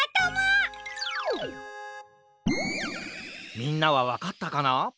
みんなはわかったかな？